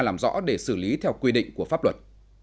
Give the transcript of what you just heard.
làm rõ để xử lý theo quy định của pháp luật